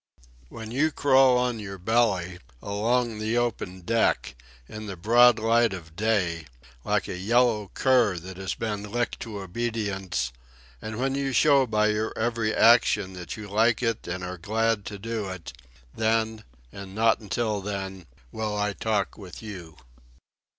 "When you crawl on your belly, along the open deck, in the broad light of day, like a yellow cur that has been licked to obedience, and when you show by your every action that you like it and are glad to do it, then, and not until then, will I talk with you."